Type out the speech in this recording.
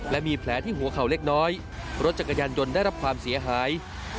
และมีแผลที่หัวเข่าเล็กน้อยรถจักรยานยนต์ได้รับความเสียหาย